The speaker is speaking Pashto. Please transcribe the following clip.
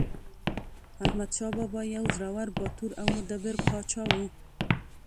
احمدشاه بابا یو زړور، باتور او مدبر پاچا و.